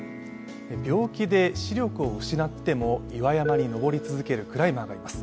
病気で視力を失っても岩山に登り続けるクライマーがいます。